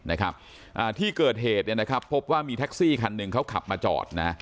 นะครับอ่าที่เกิดเหตุเนี่ยนะครับพบว่ามีแท็กซี่คันหนึ่งเขาขับมาจอดนะ